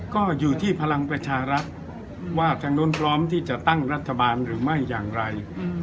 ก็อยู่ที่พลังประชารัฐว่าทางนู้นพร้อมที่จะตั้งรัฐบาลหรือไม่อย่างไร